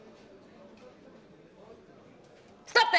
ストップ！